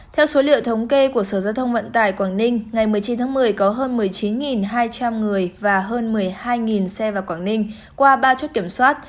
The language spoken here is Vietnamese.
theo số liệu thống kê của sở giao thông vận tải quảng ninh ngày một mươi chín tháng một mươi có hơn một mươi chín hai trăm linh người và hơn một mươi hai xe vào quảng ninh qua ba chốt kiểm soát